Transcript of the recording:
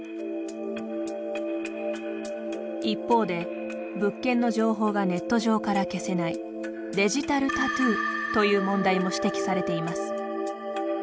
一方で、物件の情報がネット上から消せないデジタルタトゥーという問題も指摘されています。